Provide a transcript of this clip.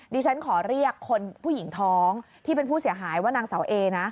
ดิฉันขอเรียกคนผู้หญิงท้องที่เป็นผู้เสียหายว่านางเสาเอนะ